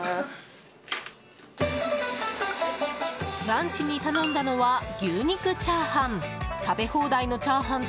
ランチに頼んだのは牛肉チャーハン。